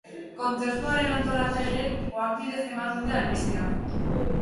Kontzertuaren antolatzaileek ohar bidez eman dute albistea.